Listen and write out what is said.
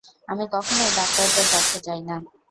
আমি কখনই ডাক্তারদের কাছে যাই না।